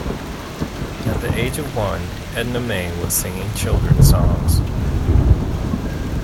At the age of one, Edna Mae was singing children's songs.